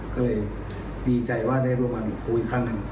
ก็เลยดีใจว่าได้ร่วมกันคุยอีกครั้งหนึ่ง